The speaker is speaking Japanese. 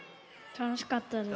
たのしかったです。